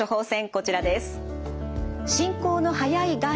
こちらです。